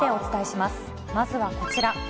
まずはこちら。